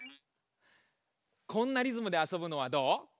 こんなリズムであそぶのはどう？